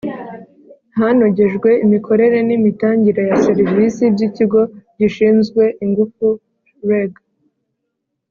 hanogejwe imikorere nimitangire ya serivisi by ikigo gishinzwe ingufu reg